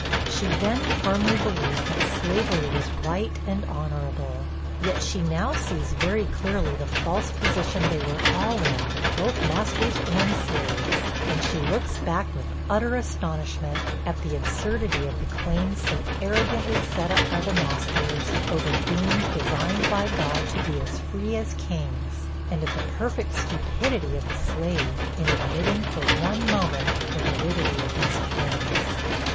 She then firmly believed that slavery was right and honorable. Yet she now sees very clearly the false position they were all in, both masters and slaves; and she looks back, with utter astonishment, at the absurdity of the claims so arrogantly set up by the masters, over beings designed by God to be as free as kings; and at the perfect stupidity of the slave, in admitting for one moment the validity of these claims.